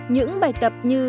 những bài tập như